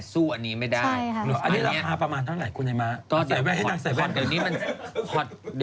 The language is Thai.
ซื้อให้เมียบ้างสิไหนคนละ